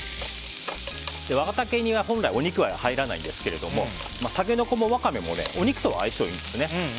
若竹煮は本来お肉は入らないんですがタケノコもワカメもお肉と相性がいいんですね。